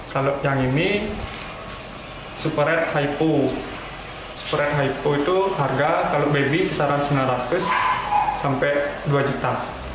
kalau yang ini super red hypo super red hypo itu harga kalau baby kisaran sembilan ratus sampai dua juta